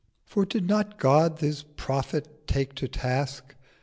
For did not God his Prophet take to Task?